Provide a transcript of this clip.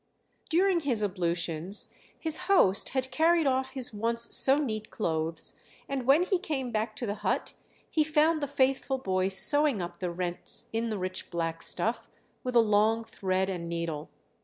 During his ablutions his host had carried off his once so neat clothes, and when he came back to the hut he found the faithful boy sewing up the rents in the rich black stuff with a long thread and needle.